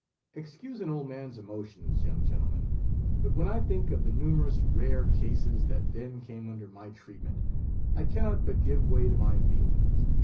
"Excuse an old man's emotions, young gentlemen; but when I think of the numerous rare cases that then came under my treatment, I cannot but give way to my feelings.